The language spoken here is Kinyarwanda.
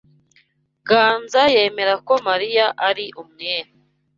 Ganza yemera ko Mariya ari umwere.